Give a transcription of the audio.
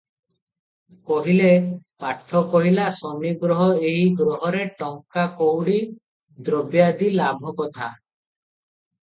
କହିଲେ, "ପାଠ କହିଲା, ଶନିଗ୍ରହ- ଏହି ଗ୍ରହରେ ଟଙ୍କା କଉଡ଼ି ଦ୍ରବ୍ୟାଦି ଲାଭକଥା ।"